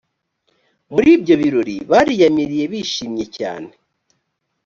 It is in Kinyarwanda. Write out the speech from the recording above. muri ibyo birori bariyamiriye bishimye cyane